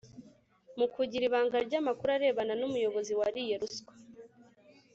mu kugira ibanga ryamakuru arebana numuyobozi wariye ruswa